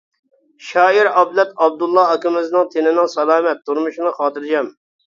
شائىر ئابلەت ئابدۇللا ئاكىمىزنىڭ تېنىنىڭ سالامەت، تۇرمۇشىنىڭ خاتىرجەم.